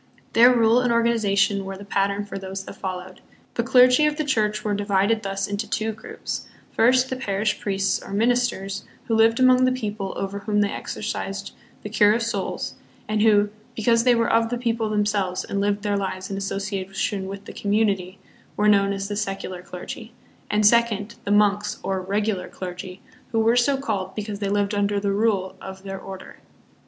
Their rule and organ ization were the pattern for those that followed. The clergy of the church were divided thus into two groups, first, the parish priests, or ministers, who lived among the people over whom they exercised the cure of souls, and who, because they were of the people themselves and lived their lives in association with the community, were known as the " secular clergy," and second, the monks, or " regular clergy," who were so called because they lived under the " rule " of their order.